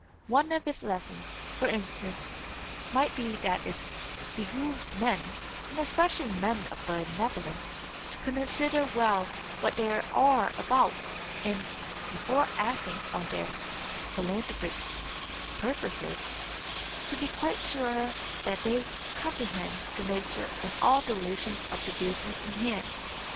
One of its lessons, for instance, might be that it behooves men, and especially men of benevolence, to consider well what they are about, and, before acting on their philanthropic purposes, to be quite sure that they comprehend the nature and all the relations of the business in hand.